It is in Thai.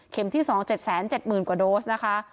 เข็มที่๒๗แสน๗หมื่นกว่าโดสนะคะ